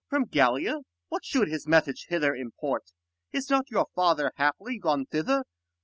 Com. From Gallia ? what should his message 1 5 Hither import ? is not your father haply Gone thither